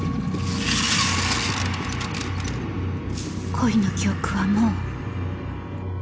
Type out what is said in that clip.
『恋の記憶』はもう私の曲